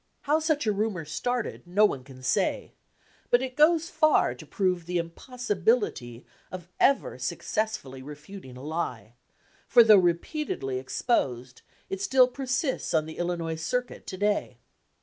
How such a rumor started no one can say, but it goes far to prove the impossibility of ever successfully refuting a lie; for though repeatedly exposed, it still per sists on the Illinois circuit to day.